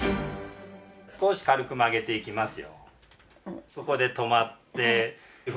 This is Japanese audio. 少し軽く曲げていきますよ。